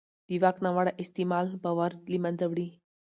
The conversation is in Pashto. د واک ناوړه استعمال باور له منځه وړي